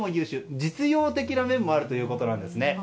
実用的な面もあるということなんですね。